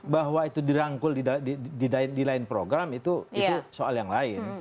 bahwa itu dirangkul di lain program itu soal yang lain